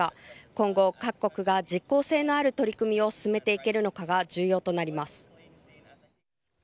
今後、各国が実効性のある取り組みを進めていけるのかが重要となります。